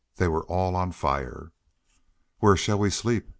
They were all on fire. "Where shall we sleep?"